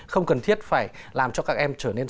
không cần thiết phải làm cho các em trở nên